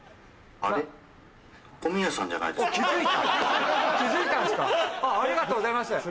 ありがとうございます。